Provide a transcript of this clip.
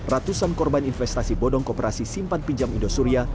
ratusan korban investasi bodong kooperasi simpan pinjam indosuria